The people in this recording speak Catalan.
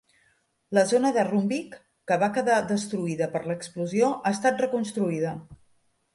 La zona de Roombeek que va quedar destruïda per l'explosió ha estat reconstruïda.